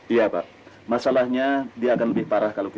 jangan lupa pak